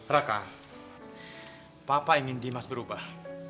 raka papa ingin dimas berubah